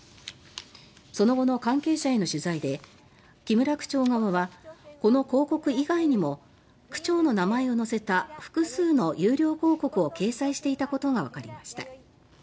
その後の関係者への取材で木村区長側はこの広告以外にも区長の名前を載せた複数の有料広告を掲載していたことがわかりました。